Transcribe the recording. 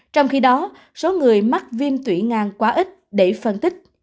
trong khi đó số người mắc viêm tủy ngang quá ít để phân tích